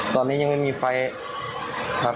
ตอนนี้ยังไม่มีไฟครับ